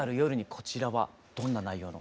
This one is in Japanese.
こちらはどんな内容の？